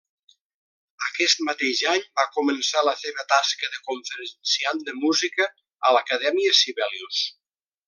Aquest mateix any va començar la seva tasca de conferenciant de música a l'Acadèmia Sibelius.